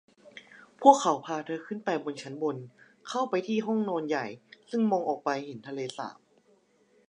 พวกเขาพาเธอขึ้นไปชั้นบนเข้าไปที่ห้องนอนใหญ่ซึ่งมองออกไปเห็นทะเลสาบ